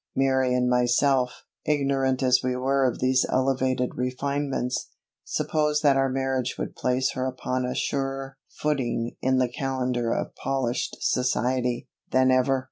Mary and myself, ignorant as we were of these elevated refinements, supposed that our marriage would place her upon a surer footing in the calendar of polished society, than ever.